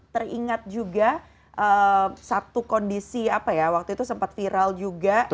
teringat juga satu kondisi apa ya waktu itu sempat viral juga